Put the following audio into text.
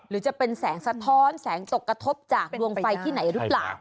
หรือจะเป็นแสงสะท้อนแสงตกกระทบจากดวงไฟที่ไหนหรือเปล่า